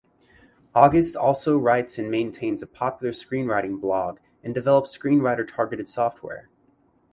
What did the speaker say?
August also writes and maintains a popular screenwriting blog and develops screenwriter-targeted software.